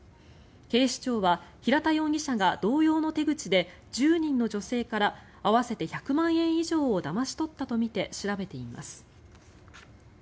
警視庁は平田容疑者が同様の手口で１０人の女性から合わせて１００万円以上をだまし取ったとみて調べています。